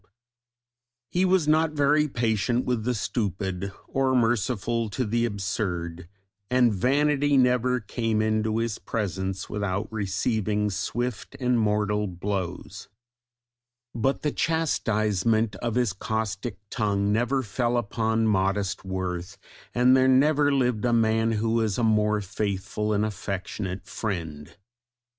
From a contemporary etching published February 10th, 1780] He was not very patient with the stupid, or merciful to the absurd, and vanity never came into his presence without receiving swift and mortal blows; but the chastisement of his caustic tongue never fell upon modest worth, and there never lived a man who was a more faithful and affectionate friend.